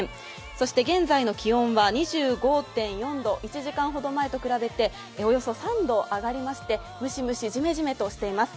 そして現在の気温は２５．４度１時間ほど前と比べておよそ３度上がりましてムシムシじめじめとしています。